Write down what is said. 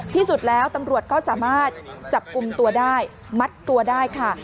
ที่สุดแล้วตำรวจก็สามารถจับกลุ่มตัวได้มัดตัวได้ค่ะ